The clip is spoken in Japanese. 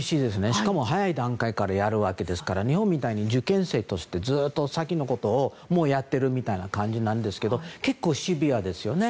しかも早い段階からやるわけですから日本みたいに受験生としてずっと先のことをやってるみたいな感じなんですけど結構シビアですよね。